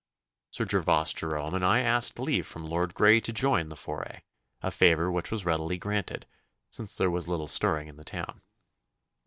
Sir Gervas Jerome and I asked leave from Lord Grey to join the foray a favour which was readily granted, since there was little stirring in the town.